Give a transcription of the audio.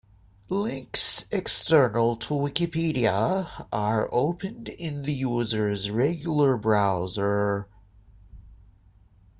Links external to Wikipedia are opened in the user's regular browser.